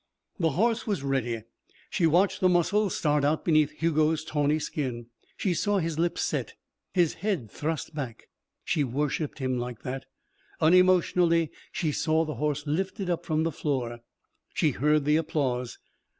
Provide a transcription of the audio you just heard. The horse was ready. She watched the muscles start out beneath Hugo's tawny skin. She saw his lips set, his head thrust back. She worshipped him like that. Unemotionally, she saw the horse lifted up from the floor. She heard the applause.